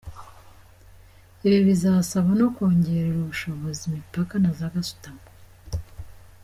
Ibi bizasaba no kongerera ubushobozi imipaka na za gasutamo.